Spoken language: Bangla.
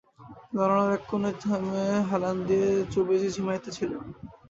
দালানের এক কোণে থামে হেলান দিয়া চোবেজী ঝিমাইতেছিলেন।